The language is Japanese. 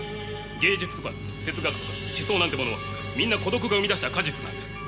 芸術とか哲学とか思想なんてものはみんな孤独が生み出した果実なんです。